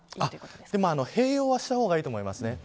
でも併用はした方がいいと思います。